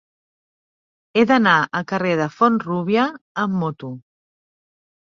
He d'anar al carrer de Font-rúbia amb moto.